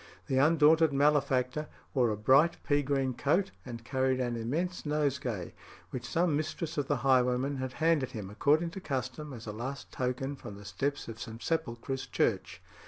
The undaunted malefactor wore a bright pea green coat, and carried an immense nosegay, which some mistress of the highwayman had handed him, according to custom, as a last token, from the steps of St. Sepulchre's Church.